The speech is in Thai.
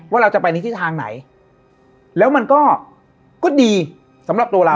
เราจะไปในทิศทางไหนแล้วมันก็ดีสำหรับตัวเรา